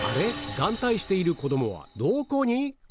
眼帯している子どもはどこに？